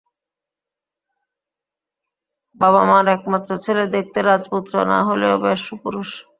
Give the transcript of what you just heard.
বাবা-মার একমাত্র ছেলে, দেখতে রাজপুত্র না হলেও বেশ সুপুরুষ।